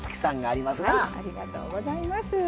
ありがとうございます。